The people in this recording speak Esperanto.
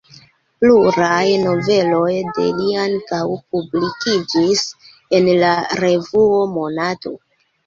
Pluraj noveloj de li ankaŭ publikiĝis en la revuo Monato.